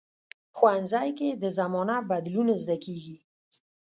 ښوونځی کې د زمانه بدلون زده کېږي